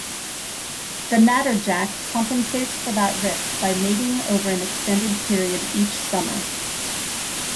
The natterjack compensates for that risk by mating over an extended period each summer.